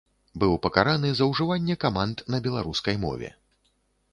Быў пакараны за ўжыванне каманд на беларускай мове.